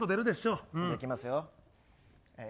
いきますよ。